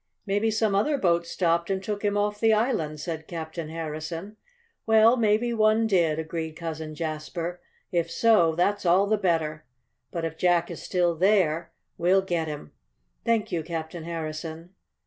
"Maybe some other boat stopped and took him off the island," said Captain Harrison. "Well, maybe one did," agreed Cousin Jasper. "If so, that's all the better. But if Jack is still there we'll get him. Thank you, Captain Harrison."